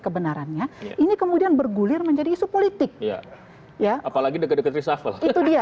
kebenarannya ini kemudian bergulir menjadi isu politik ya ya apalagi deket deket reshuffle itu dia